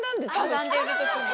かがんでいる時に。